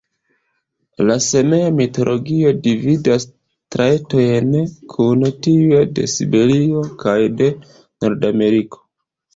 La Samea mitologio dividas trajtojn kun tiuj de Siberio kaj de Nordameriko.